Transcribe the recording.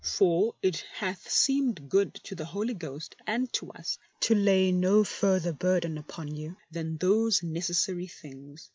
For it hath seemed good to the Holy Ghost and to us to lay no further burden upon you than these necessary things.